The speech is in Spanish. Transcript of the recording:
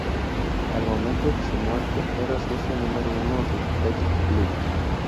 Al momento de su muerte, era socio número uno del Athletic Club.